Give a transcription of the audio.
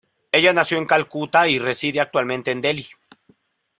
Ella nació en Calcuta y reside actualmente en Delhi.